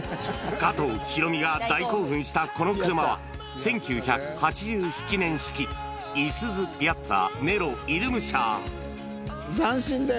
加藤、ヒロミが大興奮したこの車は、１９８７年式いすゞ、ピアッツァ・ネロ・イルムシャー。